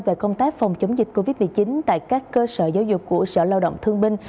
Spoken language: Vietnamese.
về công tác phòng chống dịch covid một mươi chín tại các cơ sở giáo dục của sở lao động thương binh